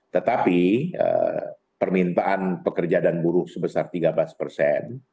tetapi permintaan pekerja dan buruh sebesar tiga belas persen